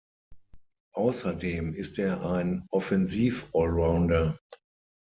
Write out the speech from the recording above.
Außerdem ist er ein Offensiv-Allrounder.